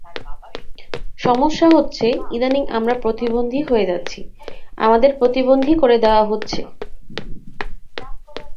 সমস্যা হচ্ছে ইদানীং আমরা প্রতিবন্ধী হয়ে যাচ্ছি, আমাদের প্রতিবন্ধী করে দেওয়া হচ্ছে।